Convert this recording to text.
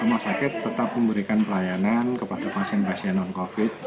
rumah sakit tetap memberikan pelayanan kepada pasien pasien non covid